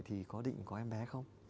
thì có định có em bé không